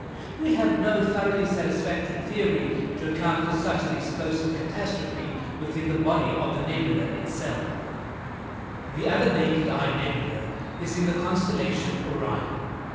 We have no thoroughly satisfactory theory to account for such an explosive catastrophe within the body of the nebula itself. The other naked eye nebula is in the constellation Orion.